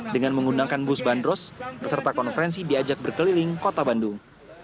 dengan menggunakan bus bandros peserta konferensi diajak berkeliling kota bandung